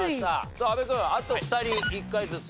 さあ阿部君あと２人１回ずつ。